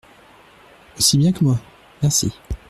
Aussi bien que moi ! merci.